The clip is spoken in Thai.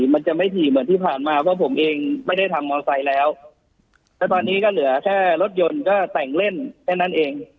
มันจะไม่ถี่เหมือนที่ผ่านมาเพราะผมเองไม่ได้ทำมอไซค์แล้วแล้วตอนนี้ก็เหลือแค่รถยนต์ก็แต่งเล่นแค่นั้นเอง